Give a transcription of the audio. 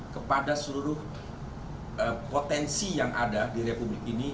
kepada seluruh potensi yang ada di republik ini